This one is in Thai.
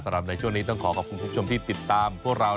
ในช่วงนี้ต้องขอขอบคุณผู้ชมที่ติดตามพวกเรา